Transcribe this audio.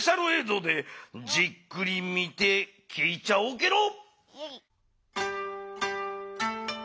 ぞうでじっくり見てきいちゃおうゲロ。